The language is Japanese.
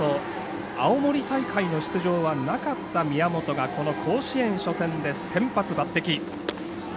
青森大会の出場はなかった宮本がこの甲子園初戦で先発抜てき。